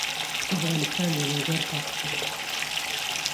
افغانستان له لوگر ډک دی.